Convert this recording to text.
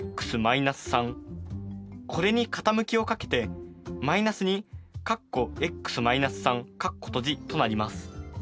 これに傾きを掛けて−２となります。